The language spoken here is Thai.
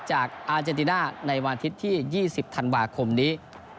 อาเจนติน่าในวันอาทิตย์ที่๒๐ธันวาคมนี้